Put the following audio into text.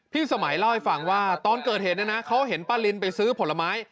สมัยเล่าให้ฟังว่าตอนเกิดเหตุเนี่ยนะเขาเห็นป้าลินไปซื้อผลไม้